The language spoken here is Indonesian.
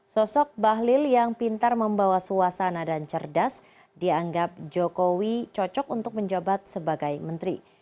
sosok bahlil yang pintar membawa suasana dan cerdas dianggap jokowi cocok untuk menjabat sebagai menteri